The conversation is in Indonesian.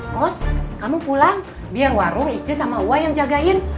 kos kamu pulang biar warung icis sama wai yang jagain